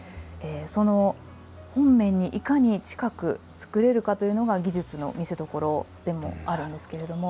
その本面にいかに近く作れるかというのが技術の見せどころでもあるんですけれども。